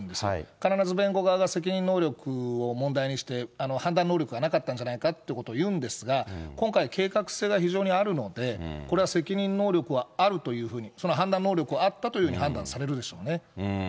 必ず弁護側が責任能力を問題にして、判断能力がなかったんじゃないかということを言うんですが、今回、計画性が非常にあるので、これは責任能力はあるというふうに、その判断能力はあったというふうに判断されるでしょうね。